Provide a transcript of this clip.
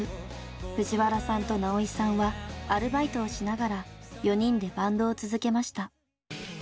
藤原さんと直井さんはアルバイトをしながら４人でバンドを続けました。